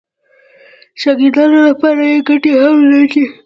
د شاګردانو لپاره بې ګټې هم نه دي.